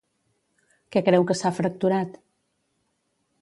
Què creu que s'ha fracturat?